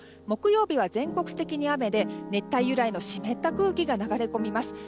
木曜日は全国的に雨で熱帯由来の湿った空気が流れ込みます。